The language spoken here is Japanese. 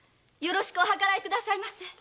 宜しくお計らいくださいませ。